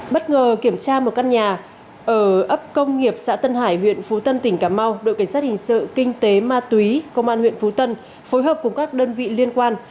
bất ngờ kiểm tra một căn nhà ở ấp công nghiệp xã tân hải huyện phú tân tỉnh cà mau đội cảnh sát hình sự kinh tế ma túy công an huyện phú tân phối hợp cùng các đơn vị liên quan